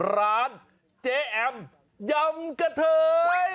ร้านเจ๊แอมยำกะเทย